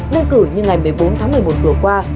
đơn cử như ngày một mươi bốn tháng một mươi một vừa qua